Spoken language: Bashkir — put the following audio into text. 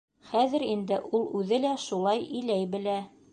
Хәҙер инде ул үҙе лә шулай иләй белә.